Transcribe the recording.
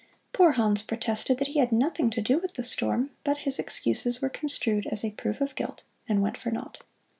Poor Hans protested that he had nothing to do with the storm, but his excuses were construed as proof of guilt and went for naught.